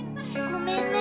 ごめんね。